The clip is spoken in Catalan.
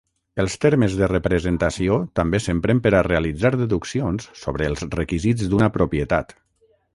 Els Termes de Representació també s'empren per a realitzar deduccions sobre els requisits d'una propietat.